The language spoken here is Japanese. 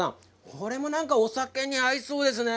これも、お酒に合いそうですね。